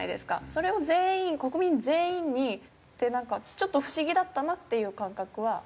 それを全員国民全員にってなんかちょっと不思議だったなっていう感覚はありますね。